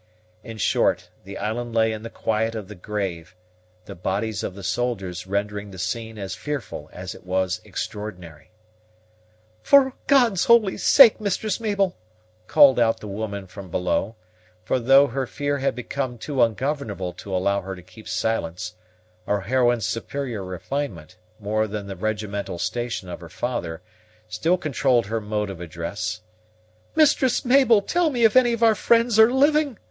In short, the island lay in the quiet of the grave, the bodies of the soldiers rendering the scone as fearful as it was extraordinary. "For God's holy sake, Mistress Mabel," called out the woman from below; for, though her fear had become too ungovernable to allow her to keep silence, our heroine's superior refinement, more than the regimental station of her father, still controlled her mode of address, "Mistress Mabel, tell me if any of our friends are living!